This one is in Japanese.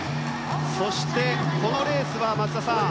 そして、このレースは松田さん